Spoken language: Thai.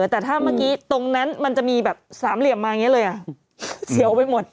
แต่ถ้าเมื่อกี้ตรงนั้นมันจะมีแบบสามเหลี่ยมมาอย่างนี้เลยเสียวไปหมด